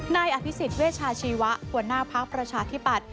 นายอภิษฎเวชาชีวะหัวหน้าพักประชาธิปัตย